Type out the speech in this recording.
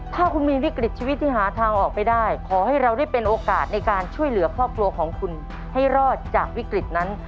ถ้าคุณมีวิกฤตชีวิตที่หาทางออกไม่ได้ขอให้เราได้เป็นโอกาสในการช่วยเหลือครอบครัวของคุณให้รอดจากวิกฤตนั้น